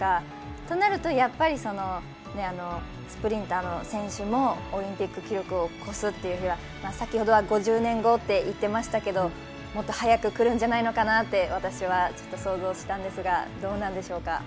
となると、スプリンターの選手もオリンピック記録を超すという日が先ほどは５０年後と言ってましたけど、もっと早くくるんじゃないのかなと私は想像したんですがどうなんでしょうか。